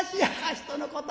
人のこと